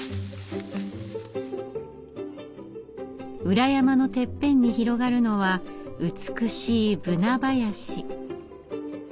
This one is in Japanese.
裏山のてっぺんに広がるのは美しいブナ林。